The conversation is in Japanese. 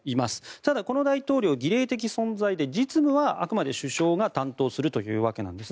ただ、この大統領は儀礼的存在で実務はあくまで首相が担当するわけです。